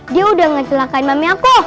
dia udah ngecelakain mami aku